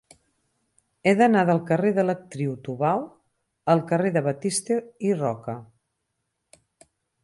He d'anar del carrer de l'Actriu Tubau al carrer de Batista i Roca.